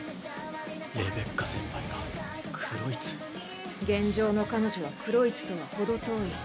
レベッカ先輩がクロイツ現状の彼女はクロイツとはほど遠い